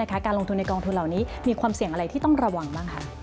การลงทุนในกองทุนเหล่านี้มีความเสี่ยงอะไรที่ต้องระวังบ้าง